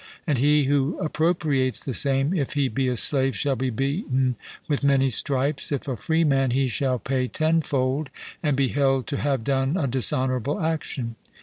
And he who appropriates the same, if he be a slave, shall be beaten with many stripes; if a freeman, he shall pay tenfold, and be held to have done a dishonourable action.